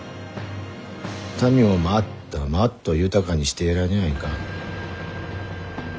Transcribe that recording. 民もまっとまっと豊かにしてやらにゃあいかん。